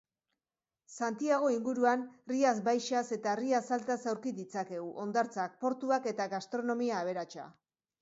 Santiago inguruan Rias Baixas eta Rias Altas aurki ditzakegu, hondartzak, portuak eta gastronomia aberatsa.